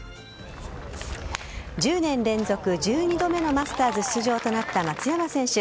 １０年連続１２度目のマスターズ出場となった松山選手。